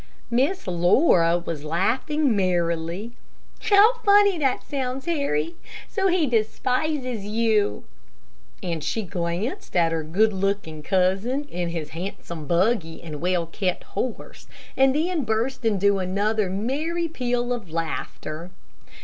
Miss Laura was laughing merrily. "How funny that sounds, Harry. So he despises you," and she glanced at her good looking cousin, and his handsome buggy and well kept horse, and then burst into another merry peal of laughter.